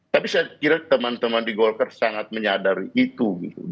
tapi saya kira teman teman di golkar sangat menyadari itu